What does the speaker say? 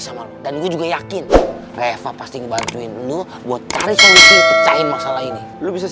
sama lo dan gue juga yakin reva pasti ngebantuin dulu buat cari solusi pecahin masalah ini lo bisa